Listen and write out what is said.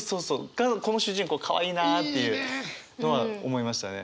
がこの主人公かわいいなっていうのは思いましたね。